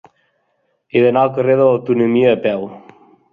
He d'anar al carrer de l'Autonomia a peu.